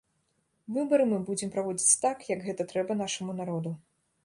Выбары мы будзем праводзіць так, як гэта трэба нашаму народу.